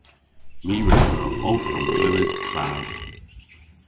My re beu owth omglewas klav.